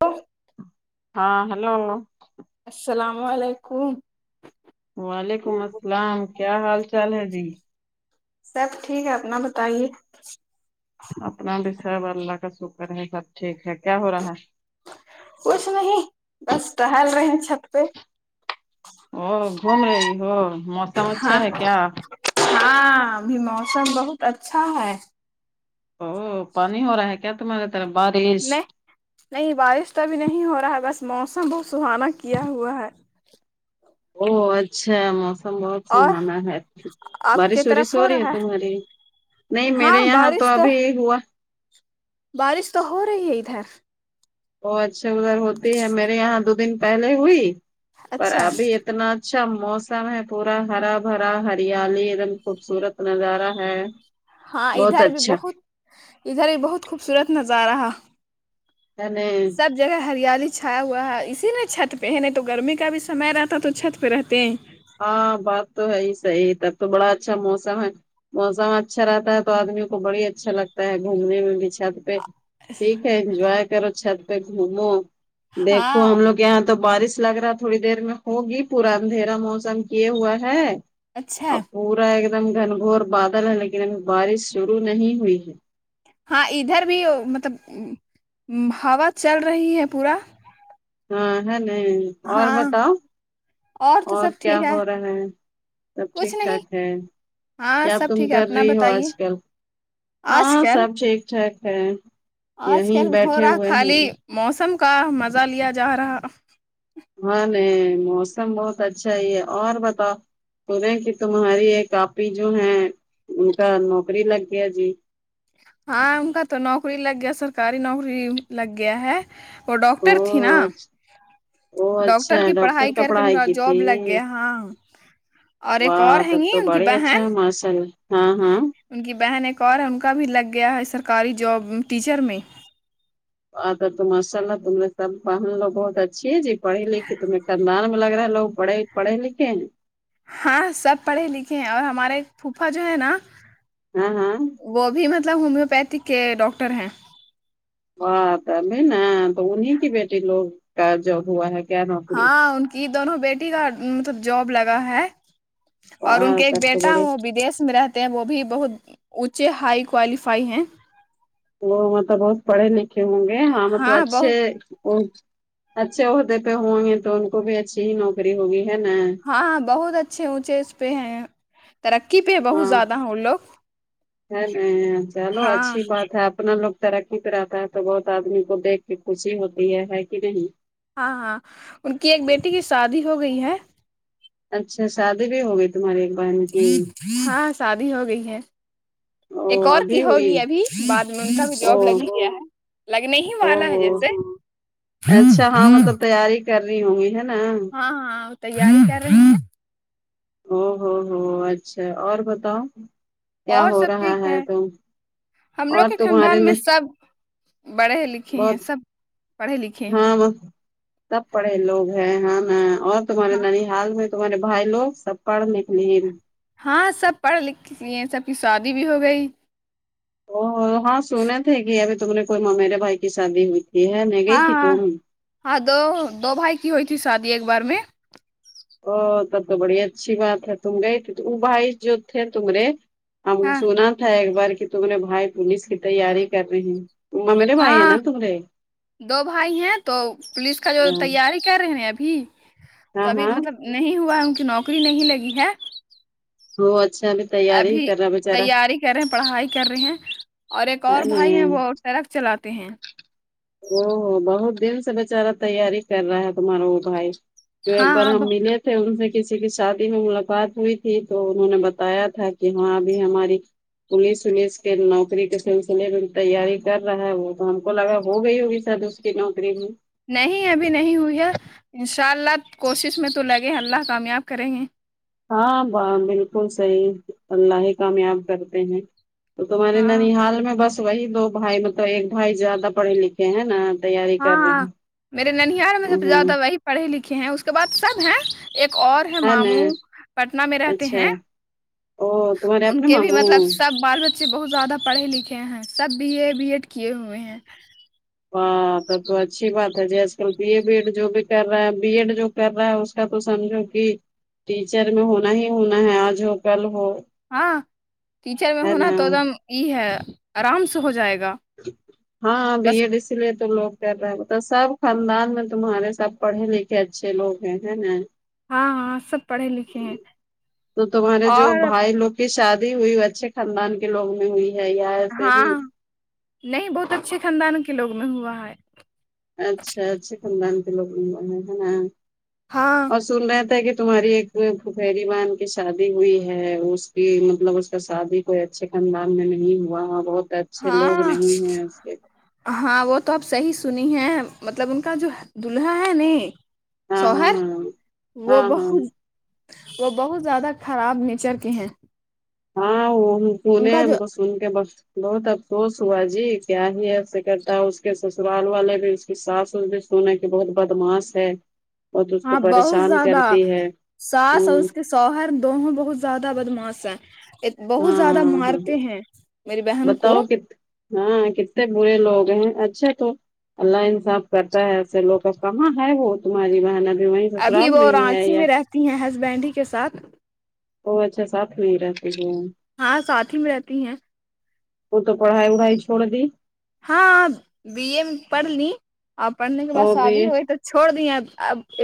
Hello ہاں hello السلام علیکم وعلیکم السلام کیا حال چال ہے جی سب ٹھیک ہے اپنا بتائیے اپنا بھی سب اللہ کا شکر ہے سب ٹھیک ہے کیا ہو رہا ہے کچھ نہیں بس ٹہل رہے ہیں چھت پہ اں گھوم رہی ہو موسم اچھا ہاں ہے کیا ہاں ابھی موسم بہت اچھا ہے او پانی ہو رہا ہے کیا تمہارے طرف بارش نہیں نہیں بارش تو بھی نہیں ہو رہا ہے بس موسم بہت سہانا کیا ہوا ہے او اچھا موسم بہت اور سہانا ہے آپ بارش کی ورش طرف ہو رہی ہے رہا تمہاری نہیں ہے ہاں میرے یہاں تو بارش ابھی ہوا بارش تو ہو رہی ہے ادھر وہ اچھے ادھر ہوتی ہے میرے یہاں دو دن پہلے ہوئی پر اچھا ابھی اتنا اچھا موسم ہے پورا ہرا بھرا ہریالی ام خوبصورت نظارہ ہے ہاں بہت ادھر بھی اچھا بہت ادھر بھی بہت خوبصورت نظارہ ہے نہیں سب جگہ ہریالی چھایا ہوا ہے اسی لیے چھت پہ ہے نہیں تو گرمی کا بھی سم رہتا ہے تو چھت پہ رہتے ہیں ہاں بات تو ہے ہی صحیح تب تو بڑا اچھا موسم ہے موسم اچھا رہتا ہے تو آدمیوں کو بڑی اچھا لگتا ہے گھومنے میں بھی چھت پہ ٹھیک ہے انجوائے کرو چھت پہ گھومو دیکھو ہاں ہم لوگ یہ یہاں تو بارش لگ رہا تھوڑی دیر میں ہوگی پورا اندھیرا موسم کیے ہوا ہے اچھا اب پورا ایک دم گھن گھور بادل ہے لیکن ابھی بارش شرو نہیں ہوئی ہے ہاں ادھر بھی مطلب ہوا چل رہی ہے پورا ہاں ہے نہیں اور ہاں بتاؤ تو اور سب کیا ٹھیک ہے ہو رہا ہے سب کچھ ٹھیک نہیں ٹھاک ہے ہاں کیا سب تم ٹھیک ہے کر اپنا رہی ہو بتائیے آج کل آج ہاں کل سب ٹھیک ٹھاک ہے آج یہیں کل ہو بیٹھے رہا ہوئے ہیں خالی موسم کا مزہ لیا جا رہا ہاں نہیں موسم بہت اچھا ہی ہے اور بتاؤ سنےیں کہ تمہاری یہ آپی جو ہے ان کا نوکری لگ گیا جی ہاں ان کا تو نوکری لگ گیا سرکاری نوکری لگ گیا ہے وہ او ڈاکٹر تھی نا اچ- او ڈاکٹر اچھا کی ڈاکٹر پڑھائی کر کے ان کا کی تھی جاب لگ گیا ہاں اور ایک اور واہ ہے تب نیی تو ان کی بڑے اچھا بہن ہے ماشاء اللہ ہاں ہاں ان کی بہن ایک اور ہے ان کا بھی لگ گیا ہے سرکاری جاب ٹیچر میں اتا تو ماشا اللہ تم نے سب پ لو بہت اچھی ہے جی پڑھیے لکھے تمہیں کاندار میں لگ رہا لوگ پڑے پڑھے لکھے ہیں ہاں سب پڑھے لکھے ہیں اور ہمارے پھوپا جو ہے نا ہاں ہاں وہ بھی مطلب ہومیو پیتھی کے ڈاکٹر ہیں ہاں تبھی نا تو انیں کی بیٹی لوگ کا جوب ہوا ہے کیا نوکری ہاں ان کی دونوں بیٹی کا مطلب جاب لگا ہے اور ان واہ کے ایک تب تو بیٹا بڑے وہ ودیش میں رہتا وہ بھی بہت اونچے ہائی کوالیفائی ہیں وہ مطلب بہت پڑھے لکھے ہوں گے ہاں مطلب اچھے اونچے اچھے عہدے پہ ہوں گے تو ان کو بھی اچھی ہی نوکری ہوگی ہے نا ہاں ہاں بہت اچھے اونچے اس پہ ہیں ترقی پہ ہے بہت ہاں زیادہ ہیں ان لوگ ہے نہیں چلو ہاں اچھی بات ہے اپنا لوگ ترقی پر آتا ہے تو بہت آدمی کو دیکھ کے خوشی ہوتی ہے ہے کہ نہیں ہاں ہاں ان کی ایک بیٹی کی سادی ہو گئی ہے اچھا شادی بھی ہوگئی تمہاری ایک بہن کی ہاں شادی ہو گئی ہے او ایک اور کی ابھی ہوئی ہوگی ابھی بعد میں ان کا بھی او جاب لگ ہی گیا ہے لگنے ہی او والا ہے ہو جیسے اچھا ہاں مطلب تیاری کرری ہوںگی ہے نا ہاں ہاں وہ تیاری کر رہی ہے او ہو ہو اچھا اور بتاؤ کیا اور ہو سب رہا ٹھیک ہے تم ہم لوگ اور کے تمہارے خاندان میں سب بڑھے لکھے ہیں بہت سب پڑھے لکھے ہیں ہاں بس سب پڑے لوگ ہیں ہاں اور تمہارے ہاں نانی بال میں تمہارے بھائی لوگ سب پڑھ لکھ لیے ہاں سب پڑھ لکھ لیے سب کی سادی بھی ہو گئی ا ہاں سنے تھے کہ ابھی تم نے کوئی مو میرے بھائی کی شادی ہوئی تھی ہے نہیں گئی ہاں تھی ہاں تم ہاں دو دو بھائی کی ہوئی تھی شادی ایک بار میں او تب تو بڑی اچھی بات ہے تم گئی تھی وہ بھائی جو تھے تمرے ہم ہاں سنا تھا ایک بار کہ تمرے بھائی پولیس کی تیاری کر رہے ممیرے بھائی ہے ہاں نا تمہارے دو بھائی ہیں تو پولیس کا جو ہاں تیاری کر رہے ہیں ابھی تو ہاں ابھی ہاں مطلب نہیں ہوا ان کی نوکری نہیں لگی ہے ہو اچھا الے ابھی تیاری کر رہے ہیں پڑھائی کر رہے ہیں اور ایک اور ہے بھائی ہیں نا وہ ٹرک چلاتے ہیں او ہو بہت دن سے بچارا تیاری کر رہا ہے تمہارا وہ بھائی تو ایک ہاں بار ہم ہاں ملے تھے ان سے کسی کی شادی میں ملاقات ہوئی تھی تو انہوں نے بتایا تھا کہ ہاں بھی ہماری پولس ولیس کے نوکری کے سلسلے میں تیاری کر رہا ہے وہ تو ہم کو لگا ہو گئی ہوگی شاید اسکی نوکری بھی نہیں ابھی نہیں ہوئی ہے ان شاء اللہ کوشش میں تو لگے اللہ کامیاب کریں گے ہاں و بالکل صحیح اللہ ہی کامیاب کرتے ہیں تو تمہارے ہاں ننیھال میں بس وہی دو بھائی مطلب ایک بھائی زیادہ پڑھے لکھے ہیں نا تیاری ہاں کر رہے ہاں ہیں میرے ننیھال میں سب سے ہوں، زیادہ وہی پڑھے لکھے ہیں اس کے بعد سب ہیں ایک اور ہے ماموں پٹنہ میں رہتے اچھا ہیں ہے۔ او تمہارے ان اپنے کے بھی مطلب ماموں سب بال بچے بہت زیادہ پڑھے لکھے ہیں سب بی اے بی ایڈ کیے ہوئے ہیں ہاں تب تو اچھی بات ہے جیسے وہ بی اے بی ایڈ جو بھی کر رہا ہے بی ایڈ جو کر رہا ہے اس کا تو سمجھو کہ ٹیچر میں ہونا ہی ہونا ہے آج ہو کل ہو ہاں ٹیچر میں ہے ہونا نا تو ایک دم یہ ہے آرام سے ہو جائے گا ہاں بی بس ایڈ اسی لیے تو لوگ کر رہا سب خاندان میں تمہارے سب پڑے لکھے اچھے لوگ ہیں ہیں نا ہاں ہاں سب پڑھے لکھے ہیں تو تمہارے جو اور بھائی لوگ کی شادی ہوئی اچھے خاندان کے لوگ میں ہوئی ہے یا ایسے ہاں ہی نہیں بہت اچھے خاندان کے لوگ میں ہوا ہے اچھا اچھی خاندان کے لوگ ب ہے نا ہاں اور سن رہے تھے کہ تمہاری ایک پھوپیری بہان کی شادی ہوئی ہے اس کی مطلب اس کا شادی ہو اچھے خاندان میں نہیں ہوا بہت اچھے لوگ ہاں نہیں ہیں اس کے ہاں وہ تو اب صحیح سنی ہے مطلب ان کا جو دلہا ہے نے ہاں ہاں شوہر ہاں وہ ہاں ہاں بہت وہ بہت زیادہ خراب نیچر کے ہیں ہاں وہ ہم ان سنے کا ہم جو کو سن کے بس بہت افسوس ہوا جی کیا ہی ایسے کرتا اس کے سسرال والے بھی ساس بھی سونے کی بہت بدماس ہے بہت اس کو ہاں بہت پریشان کرتی ہے ہوں سوہر دونوں بہت زیادہ بدماس ہیں بہت زیادہ ہاں ہاں مارتے ہیں میری بہن بتاؤ کو کت ہاں کتنے برے لوگ ہیں اچھا تو اللہ انصاف کرتا ہے ایسے لوگ کہاں ہے وہ تمہاری محنت وہیں سسرال میں ہی ہے یا تی ہے ہسبینڈ کے ساتھ تو اچھا ساتھ میں رہتے ہے وہ ہاں ساتھ ہی میں رہتی ہیں وہ تو پڑھائی وڑھائی چھوڑ ی ہاں بی اے پڑھ لی اور پڑھنے کے بعد اور بی شادی ہوگئی تو چھوڑ دی اب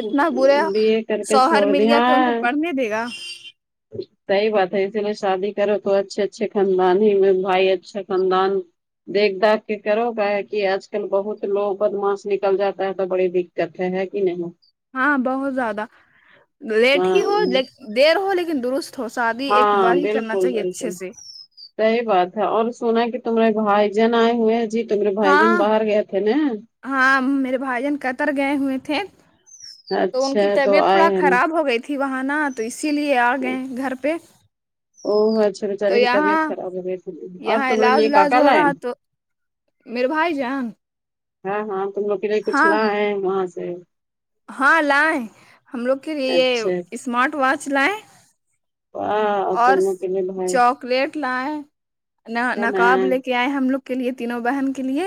اتنا برا بی اے کر کے شوہر چھوڑ مل دی گیا تو ان کو پڑھنے دے گا اچ صحیح بات ہے اسی لیے شادی کرو تو اچھے اچھے خاندان ہی بھائی اچھے خاندان دیکھ داکھ کے کرو کیا ہے کہ آج کل بہت لوگ بدماش نکل جاتا ہے تو بڑے دککت ہے کی نہیں ہاں بہت زیادہ لیٹ ہاں ہی ہو دیر ہو لیکن درست ہو شادی ایک ہاں بار ہی کرنا بالکل چاہیے اچھے بالکل سے صحیح بات ہے اور سنا کی تمہارے بھائی جن آئے ہوئے ہیں جی تمہارے بھائی جن ہاں باہر گئے تھے نا ہاں میرے بھائی جان قطر گئے ہوئے تھے تو ان اچھا کی تو طبیعت آئے تھوڑا ہیں نا خراب ہو گئی تھی وہاں نا تو اسی لیے آ گئے گھر پہ او اچھا تو بچارے کی طبیعت یہاں خراب ہو گئی تھی اور یہاں تمہارے علاج لیے کیا ولاج کیا ہو لائیں رہا تو میرے بھائی جان ہاں ہاں تم لوگ کے لیے کچھ ہاں لائیں وہاں سے ہاں لائے ہم لوگ کے لیے اچھا یہ اسمارٹ واچ لائیں واہ تم کے لیے بہن پلیٹ لائیں نا نقاب لے کے آئے ہم لوگ کے لیے تینوں بہن کے لیے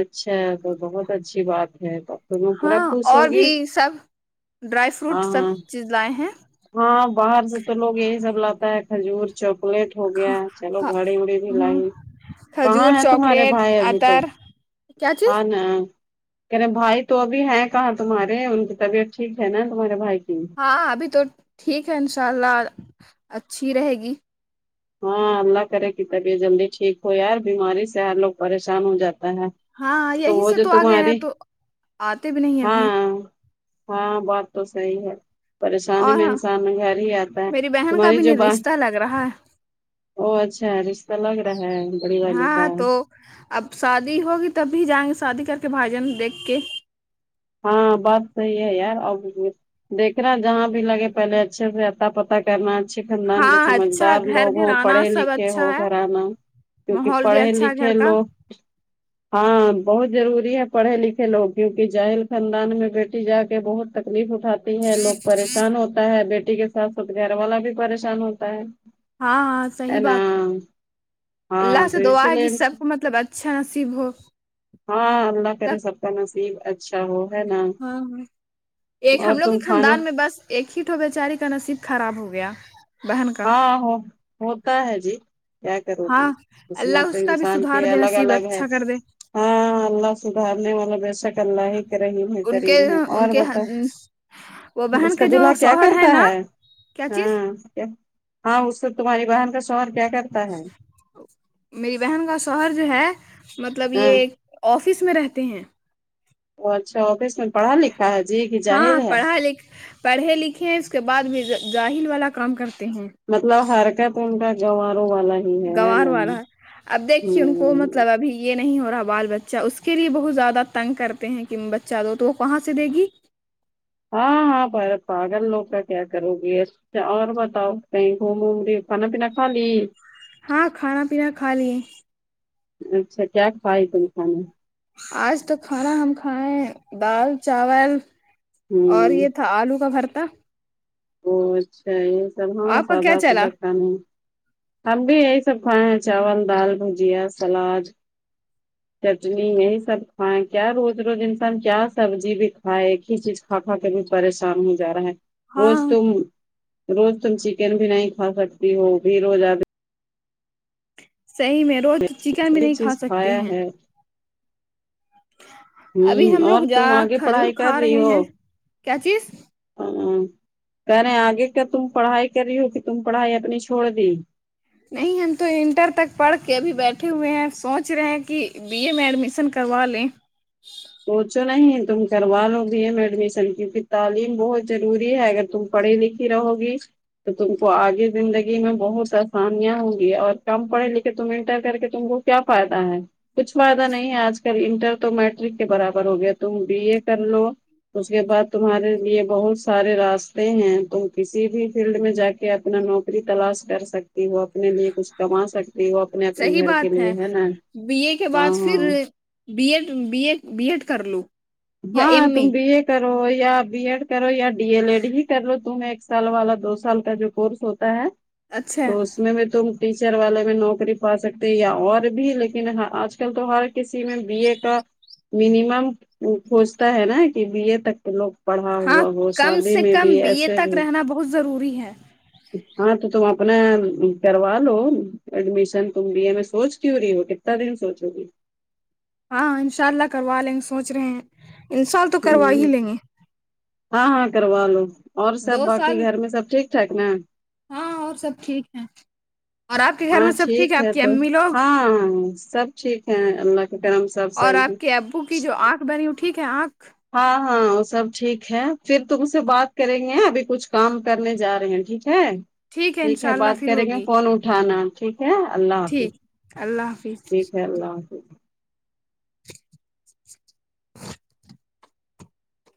اچھا تو بہت اچھی بات ہے تو تم لوگ پورا ہاں خوش اور ہوگی بھی سب ڈرائی فروٹ ہاں سب ہاں چیز لائیں ہیں ہاں باہر سے تو لوگ یہی سب لاتے ہے کھجور چوکلیٹ ہو گیا چلو ہ گھڑی وڑی بھی لائی کہاں کھجور ہے تمہارے چاکلیٹ بھائی ابھی تو اتر کیا چیز [unintelligible] کہے بھائی تو ابھی ہے کہاں تمہارے ان کی طبیعت ٹھیک ہے نا تمہارے بھائی کی ہاں ابھی تو ٹھیک ہے ان شاء اللہ اچھی رہے گی ہاں اللہ کرے کی طبیعت جلدی ٹھیک ہو یار بیماری سے ہر لوگ پریشان ہو جاتا ہے ہاں یہیں وہ سے جو تو آ گئے ہے تمہاری تو آتے بھی نہیں ابھی ہاں ہاں بات تو صحیح ہے پریشانی اور میں ہاں انسان گھر ہی آتا ہے تمہاری جو بات ا لگ رہا ہے او اچھا رشتہ لگ رہا ہے بڑھی والی ہاں کا تو اب شادی ہوگی تب بھی جائیں گے شادی کر کے بھای جان دیکھ کے ہاں بات صحیح ہے یار اب دیکھنا جہاں بھی لگے پہلے اچھے سے اتا پتا کرنا اچھے خاندان ہاں کے اچھا سمجھدار گھر لوگ گھر ہوں آنا پڑھے سب لکھے ہو اچھا ہے گھرانا کیونکہ ماحول بھی پڑھے اچھا ہے لکھے گھر کا لوگ ہاں بہت ضروری ہے پڑھے لکھے لوگ کیوںکہ جاہل خاندان میں بیٹی جا کے بہت تکلیف اٹھاتی ہے لوگ پریشان ہوتا ہے بیٹی کے ساتھ ساتھ گھر والا بھی پریشان ہوتا ہے ہاں ہاں صحیح بات ہے ہاں اللہ سے تو دعا اسی ہے کہ لیے سب کو مطلب اچھا نصیب ہو ہاں اللہ کرے سب کا نصیب اچھا ہو ہے نا ہاں وہی ایک اور ہم لوگ ہی تم کھانا خاندان میں بس ایک ہی تو بے چاری کا نصیب خراب ہو گیا بہن کا ہاں ہو ہوتا ہے جی کیا کرو گی ہاں قسمت اللہ تو اس کا بھی انسان کے سدھار دے الگ نصیب الگ ہے اچھا کر دے ہاں اللہ سدھارنے والا بیشک اللہ ہے رحیم ہے ان کے کریم ہے ان اور کے وہ بتاو بہن اس کا کے جو دلہا کیا شوہر کرتا نا ہے کیا چیز ہاں کیا ہاں اس کو تمہاری بہن کا شوہر کیا کرتا ہے میری بہن کا شوہر جو ہے مطلب یہ ہاں ایک آفس میں رہتے ہیں وہ اچھا آفس میں پڑھا لکھا ہے جی کہ جاہل ہاں ہے پڑھا لکھ پڑھے لکھےہے اس کے بعد بھی جاہل والا کام کرتے ہیں مطلب حرکت ان کا گواروں والا ہے ہی ہے گوار نا ہوں والا اب دیکھیے ان کو مطلب ابھی یہ نہیں ہو رہا بال بچہ اس کے لیے بہت زیادہ تنگ کرتے ہیں کہ بچہ دو تو وہ کہاں سے دے گی ہاں ہاں بہت پاگل لوگ کا کیا کرو گی اچھا اور بتاؤ کہیں گوم ووم لی کھانا پینا کھا لی ہاں کھانا پینا کھا لیے اچھا کیا کھائی تم کھانا آج تو کھانا ہم کھایں دال چاول اور یہ تھا آلو کا بھرتا امم اچھا یہ سب ہاں آپ کا کیا سادہ چلا سودہ ہاں ہم بھی یہی سب کھائے ہیں چاول دال بھجیا سلاد چٹنی یہی سب کھائے کیا روز روز انسان کیا سبزی بھی کھائے ایک ہی چیز کھا کھا کے بھی پریشان ہو جا رہے ہے ہاں روز تم روز تم چکن بھی نہیں کھا سکتی ہو بھی روز صحیح میں روز تو چکن بھی صحیح نہیں کھا چیز سکتے کھایا ہیں ہے ابھی ہم ہ لوگ اور جا تم آگے کھجور پڑھائی کر کھا رہے ہیں کیا چیز ہمم کہہ رہے آگے کیا تم پڑھائی کر رہی ہو کہ تم پڑھائی اپنی چھوڑ دی نہیں ہم تو انٹر تک پڑھ کے ابھی بیٹھے ہوئے ہیں سوچ رہے ہیں کہ بی اے میں ایڈمیشن کروا لیں سوچو نہیں تم کروا لو بی اے میں ایڈمیشن کیونکہ تعلیم بہت ضروری ہے اگر تم پڑھی لکھی رہو گی تو تم کو آگے زندگی میں بہت آسانیاں ہوں گی اور کم پڑھے لکھے تم انٹر کر کے تم کو کیا فائدہ ہے کچھ فائدہ نہیں ہے آج کل انٹر تو میٹ رک کے برابر ہو گیا تم بی اے کر لو اس کے بعد تمہارے لیے بہت سارے راستے ہیں تم کسی بھی فیلڈ میں جا کے کہ اپنا نوکری تلاش کر سکتی ہو اپنے لیے کچھ کما سکتی ہو اپنے اپنے صحیح گھر کے بات لیے ہے نا بی اے کے بعد ہاں پھر ہاں B Ed B Ed B Ed کر لو یا ہاں ایم تم اے بی ایڈ کرو یا بی ایڈ کرو یا ڈی ایل ایڈ ہی کر لو تم ایک سال والا دو سال کا جو کورس ہوتا ہے اچھا تو اس تم ٹیچر والے میں نوکری پا سکتے یا اور بھی لیکن آج کل آج کل تو ہر کسی میں بی اے کا منیمم وہ سوچتا ہے نا کہ بی اے تک تو لوگ پڑھا ہاں ہوا ہو کم شادی سے میں بھی کم بی اے ایسے تک بھی رہنا بہت ضروری ہے ہاں تو تم اپنا کروا لو ایڈمیشن تم بی اے میں سوچ کیوں رہی ہو کتنا دن سوچو گی ہاں ان شاء اللہ کروا لیں گے سوچ رہے ہیں ان شاء اللہ تو کروا ہی ہ لیں گے ہاں ہاں کروا لو اور سب دو باقی سال گھر میں سب ٹھیک ٹھاک نا ہاں اور سب ٹھیک ہیں ہاں ٹھیک ہے تو لوگ ہاں سب ٹھیک ہے اللہ کے کرم سب اور صحیح ہے آپ کے ابو کی جو آنکھ بنی ہو ٹھیک ہے آنکھ ہاں ہاں وہ سب ٹھیک ہے پھر تم سے بات کریں گے ابھی کچھ کام کرنے جا رہے ہیں ٹھیک ٹھیک ہے انشاء بات اللہ پھر کریں گے ہوگی فون اٹھانا ٹھیک ہے اللہ حافظ ٹھیک اللہ حافظ ٹھیک ہے اللہ حافظ